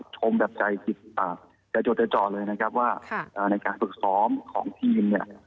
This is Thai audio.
ชมแบบใจหดจะโจทย์เลยนะครับว่าในการศึกซ้อมของทีมเนี่ย